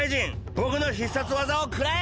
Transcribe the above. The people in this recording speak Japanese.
ぼくの必殺技をくらえ！